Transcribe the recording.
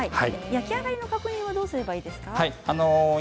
焼き上がりの確認はどうすればいいですか？